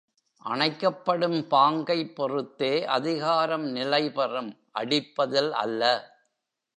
அணைக்கப்படும் பாங்கைப் பொறுத்தே அதிகாரம் நிலைபெறும் அடிப்பதில் அல்ல.